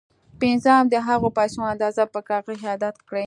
پنځم د هغو پيسو اندازه پر کاغذ ياداښت کړئ.